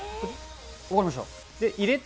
分かりました。